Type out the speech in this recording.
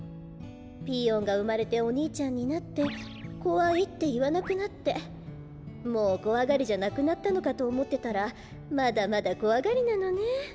ピーヨンがうまれておにいちゃんになって「こわい」っていわなくなってもうこわがりじゃなくなったのかとおもってたらまだまだこわがりなのねえ。